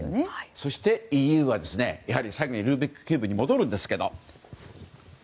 そしてＥＵは最後にルービックキューブに戻りますが。